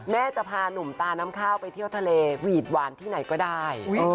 จะพาหนุ่มตาน้ำข้าวไปเที่ยวทะเลหวีดหวานที่ไหนก็ได้